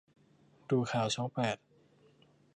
ดูข่าวช่องแปด